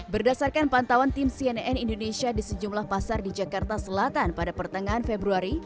berdasarkan pantauan tim cnn indonesia di sejumlah pasar di jakarta selatan pada pertengahan februari